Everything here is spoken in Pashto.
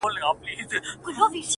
چي د دفتر همكاران وايي راته!